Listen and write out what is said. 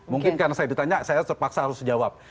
mungkin karena saya ditanya saya terpaksa harus jawab